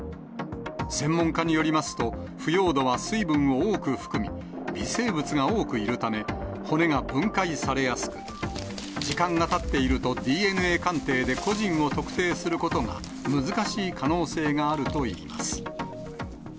専門家によりますと、腐葉土は水分を多く含み、微生物が多くいるため、骨が分解されやすく、時間がたっているとＤＮＡ鑑定で個人を特定することが難しい可能性があるといいます。